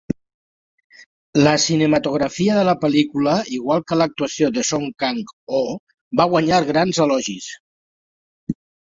La cinematografia de la pel·lícula, igual que l'actuació de Song Kang-ho, va guanyar grans elogis.